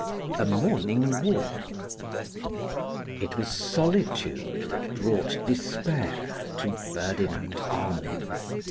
A Morning Walk. IT WAS solitude that brought despair to Ferdinand Armine.